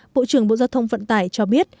bộ trưởng bộ giao thông vận tải cho biết